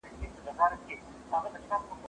هر سړى په خپل کور کي پاچا دئ.